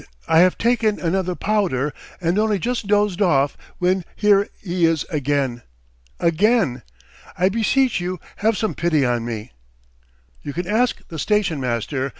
I have taken another powder and only just dozed off when here he is again. .. again! I beseech you have some pity on me!" "You can ask the station master